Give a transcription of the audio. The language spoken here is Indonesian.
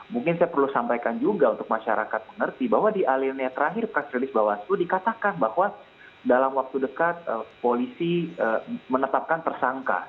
mungkin saya perlu sampaikan juga untuk masyarakat mengerti bahwa dia terakhir press release bawaslu dikatakan bahwa dalam waktu dekat polisi menetapkan tersangka